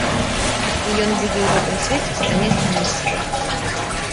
І ён будзе ў гэтым свеце стаяць нізка.